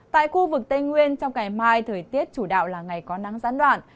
tại khu vực tây nguyên trong ngày mai thời tiết chủ đạo là ngày có nắng gián đoạn